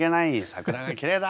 桜がきれいだ！」